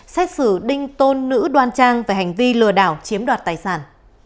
xét xử đinh tôn nữ đoan trang về hành vi lừa đảo chiếm đoạt tài sản